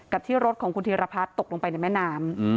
ที่รถของคุณธีรพัฒน์ตกลงไปในแม่น้ำ